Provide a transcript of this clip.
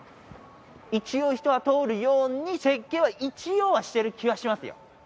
一応人は通るように設計は一応はしてる気はしますよ